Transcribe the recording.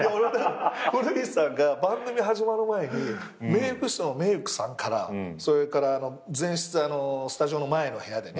古市さんが番組始まる前にメーク室のメークさんからそれから前室スタジオの前の部屋でね